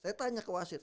saya tanya ke wasit